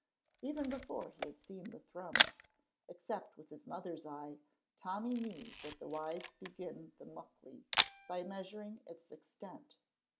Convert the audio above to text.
Even before he had seen Thrums, except with his mother's eye, Tommy knew that the wise begin the Muckley by measuring its extent.